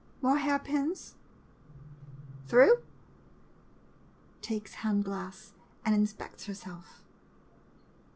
More hairpins? Through? [Takes hand glass and inspects her self.